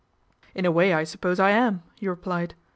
" In a way I suppose I am," he replied.